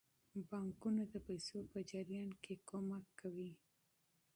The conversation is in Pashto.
بانکونه د پیسو په جریان کې مرسته کوي.